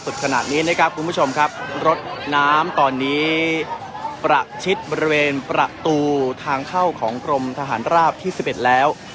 ขณะนี้นะครับคุณผู้ชมครับรถน้ำตอนนี้ประชิดบริเวณประตูทางเข้าของกรมทหารราบที่๑๑แล้ว